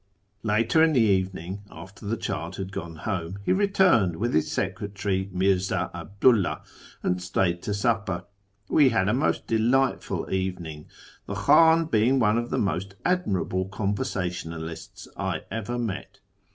Later in the evening, after the child had gone home, he returned with his secretary, Mirzii 'Abdu 'llah, and stayed to supper. We had a most delightful evening, the Khan being one of the most admirable conversationalists I ever met.